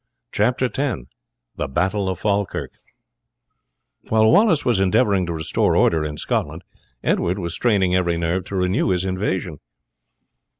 Chapter X The Battle of Falkirk While Wallace was endeavouring to restore order in Scotland, Edward was straining every nerve to renew his invasion.